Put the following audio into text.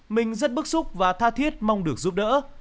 mình rất bức xúc và tha thiết mong được giúp đỡ